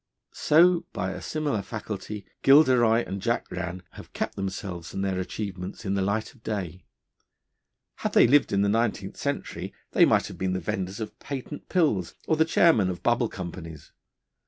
So by a similar faculty Gilderoy and Jack Rann have kept themselves and their achievements in the light of day. Had they lived in the nineteenth century they might have been the vendors of patent pills, or the chairmen of bubble companies.